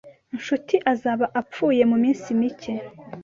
Nshuti azaba apfuye muminsi mike.